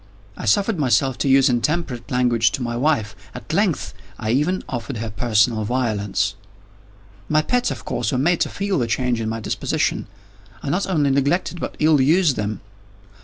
I suffered myself to use intemperate language to my wife. At length, I even offered her personal violence. My pets, of course, were made to feel the change in my disposition. I not only neglected, but ill used them.